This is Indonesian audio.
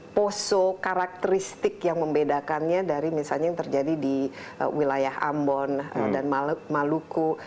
poso karakteristik yang membedakannya dari misalnya yang terjadi di wilayah ambon dan maluku